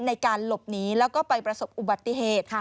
ในการหลบหนีแล้วก็ไปประสบอุบัติเหตุ